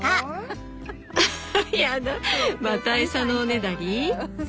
アハッやだまた餌のおねだり？